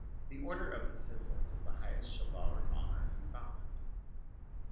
The Order of the Thistle is the highest chivalric honour in Scotland.